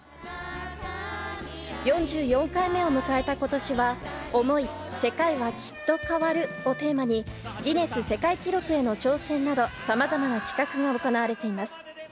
４４回目を迎えたことしは、想い世界は、きっと変わる。をテーマに、ギネス世界記録への挑戦などさまざまな企画が行われています。